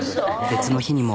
別の日にも。